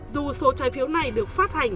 dù số trái phiếu này được phát hành